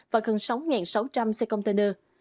và gần sáu sáu trăm linh xe container